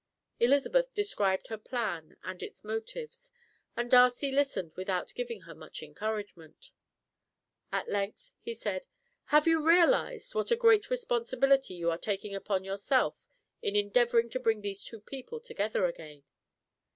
Elizabeth described her plan and its motives, and Darcy listened without giving her much encouragement. At length he said: "Have you realized what a great responsibility you are taking upon yourself in endeavouring to bring these two people together again?"